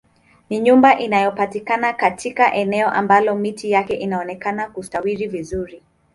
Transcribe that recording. Ni nyumba inayopatikana katika eneo ambalo miti yake inaonekana kustawi vizuri